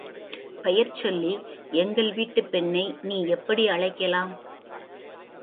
பெயர் சொல்லி எங்கள்வீட்டுப் பெண்ணை நீ எப்படி அழைக்கலாம்?